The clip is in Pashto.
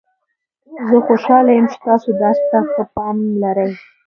زه خوشحاله یم چې تاسو درس ته ښه پام لرئ